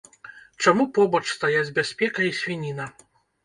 Чаму побач стаяць бяспека і свініна?